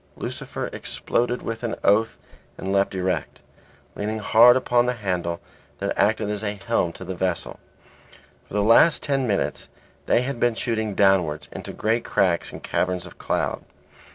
Lucifer exploded with an oath and leapt erect, leaning hard upon the handle that acted as a helm to the vessel. For the last ten minutes they had been shooting downwards into great cracks and caverns of cloud.